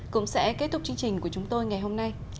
cũng sẽ kết thúc chương trình của chúng tôi ngày hôm nay